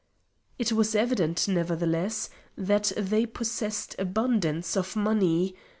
It was evident, nevertheless, that they possessed abundance of money.